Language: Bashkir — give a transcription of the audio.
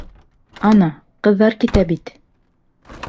Ана, ҡыҙҙар китә бит.